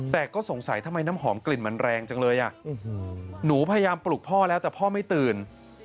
แต่ก็สงสัยทำไมน้ำหอมกลิ่นมันแรงจังเลยอ่ะหนูพยายามปลุกพ่อแล้วแต่พ่อไม่ตื่น